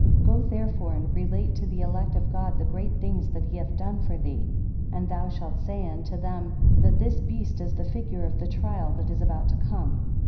19 Go, therefore, and relate to the elect of God the great things that he hath done for thee. And thou shalt say unto them, that this beast is the figure of the trial that is about to come.